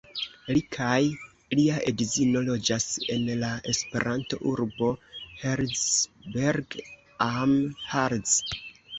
Li kaj lia edzino loĝas en la Esperanto-urbo Herzberg am Harz.